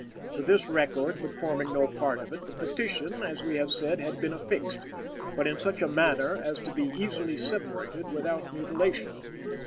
To this record, but forming no part of it, the Petition, as we have said, had been affixed, but in such a manner as to be easily separable without mutilation.